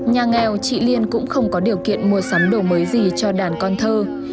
nhà nghèo chị liên cũng không có điều kiện mua sắm đồ mới gì cho đàn con thơ